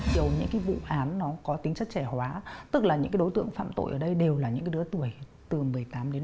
điều những vụ án có tính chất trẻ hóa tức là những đối tượng phạm tội ở đây đều là những đứa tuổi từ một mươi tám đến hai mươi